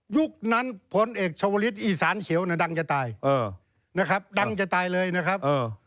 ยุคนั้นผลเอกชวริสต์อีสานเขียวดังจะตายดังจะตายเลยนะครับ